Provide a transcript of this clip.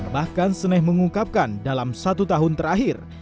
bahkan seneh mengungkapkan dalam satu tahun terakhir